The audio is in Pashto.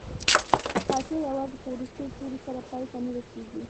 قافیه یوازې په وروستي توري سره پای ته نه رسيږي.